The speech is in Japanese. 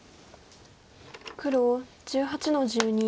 黒１８の十二。